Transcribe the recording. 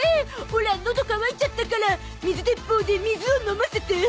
オラのど渇いちゃったから水でっぽうで水を飲ませて